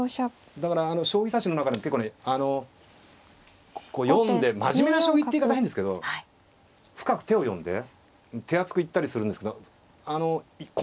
だから将棋指しの中でも結構ねあのこう読んで真面目な将棋って言い方変ですけど深く手を読んで手厚く行ったりするんですけど近藤さんはね